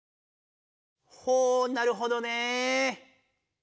ほうなるほどね。